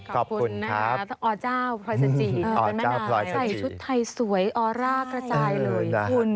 ขอบคุณนะคะอเจ้าพรอยสจิเป็นแม่น้ำใส่ชุดไทยสวยออร่ากระจายเลยคุณ